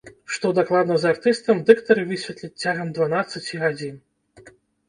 Што дакладна з артыстам, дыктары высветляць цягам дванаццаці гадзін.